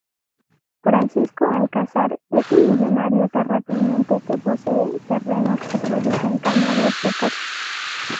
Francisco Alcázar es un millonario terrateniente que posee terrenos que producen caña de azúcar.